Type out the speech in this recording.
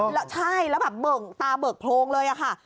แล้วใช่แล้วแบบเบิกตาเบิกโพรงเลยค่ะ